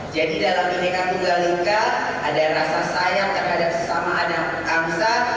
jadi dalam pendidikan tunggal lingkar ada rasa sayang terhadap sesama anak angsa